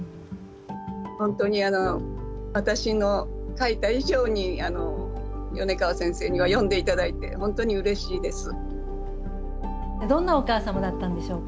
本当に私の書いた以上に米川先生には読んで頂いて本当にうれしいです。